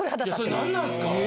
それ何なんすか？